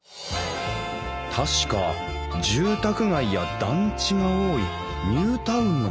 確か住宅街や団地が多いニュータウンの町だよな